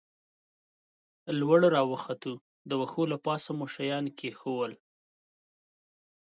لوړ را وختو، د وښو له پاسه مو شیان کېښوول.